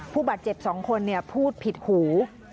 ผู้บาดเจ็บสองคนเนี่ยพูดผิดหู